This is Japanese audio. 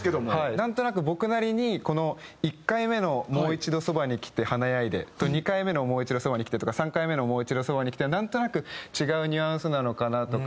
なんとなく僕なりにこの１回目の「もう一度そばに来てはなやいで」と２回目の「もう一度そばに来て」とか３回目の「もう一度そばに来て」はなんとなく違うニュアンスなのかなとか。